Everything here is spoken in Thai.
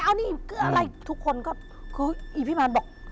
เอานี่ทุกคนก็คืออีพิมารบอก